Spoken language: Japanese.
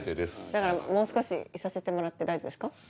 だからもう少しいさせてもらって大丈夫ですか？